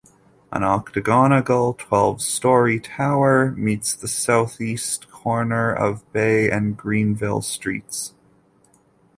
An octagonal twelve storey tower meets the southeast corner of Bay and Grenville Streets.